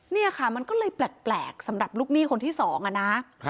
นี่ค่ะมันก็เลยแปลกสำหรับลูกหนี้คนที่๒อะนะ